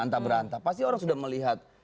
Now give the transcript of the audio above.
antah beranta pasti orang sudah melihat